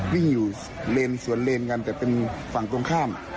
วิ่งอยู่เลนสวนเลนกันแต่เป็นฝั่งตรงข้าม